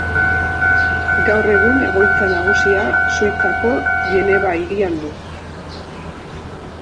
Gaur egun egoitza nagusia Suitzako Geneva hirian du.